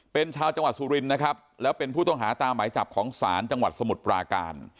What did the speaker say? เป็นชาวจังหวัดสุรินทร์นะครับแล้วเป็นผู้ต้องหาตามหมายจับของศาลจังหวัดสมุทรปราการ